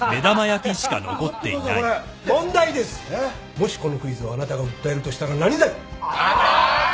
もしこのクイズをあなたが訴えるとしたら何罪？アターック。